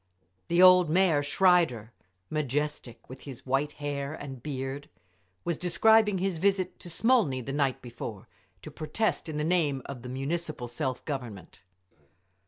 The old Mayer, Schreider, majestic with his white hair and beard, was describing his visit to Smolny the night before, to protest in the name of the Municipal Self Government.